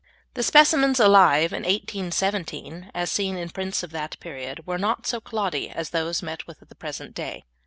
The specimens alive in 1817, as seen in prints of that period, were not so cloddy as those met with at the present day.